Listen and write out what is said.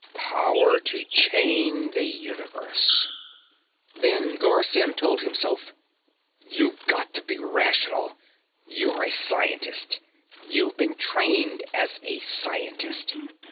Power to chain the universe.... Think, Garr Symm told himself. You've got to be rational. You're a scientist. You've been trained as a scientist.